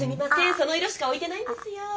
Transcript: その色しか置いてないんですよ。